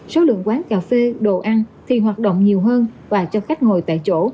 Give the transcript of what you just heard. số lượng quán cà phê đồ ăn thì hoạt động nhiều hơn và cho khách ngồi tại chỗ